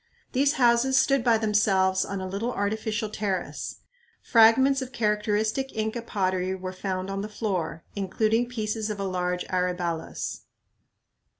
These houses stood by themselves on a little artificial terrace. Fragments of characteristic Inca pottery were found on the floor, including pieces of a large aryballus.